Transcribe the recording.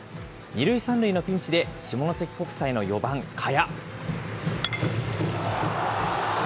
２塁３塁のピンチで、下関国際の４番賀谷。